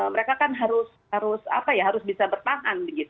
mereka kan harus bisa bertahan